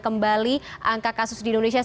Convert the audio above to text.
kembali angka kasus di indonesia